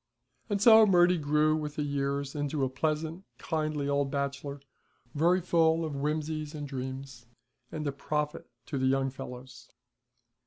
And so Murty grew with the years into a pleasant, kindly old bachelor, very full of whimsies and dreams, and a prophet to the young fellows.